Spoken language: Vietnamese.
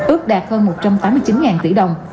ước đạt hơn một trăm tám mươi chín tỷ đồng